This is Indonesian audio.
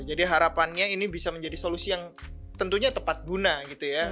jadi harapannya ini bisa menjadi solusi yang tentunya tepat guna gitu ya